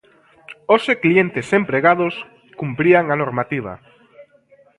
Hoxe clientes e empregados cumprían a normativa.